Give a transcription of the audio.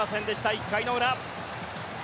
１回の裏。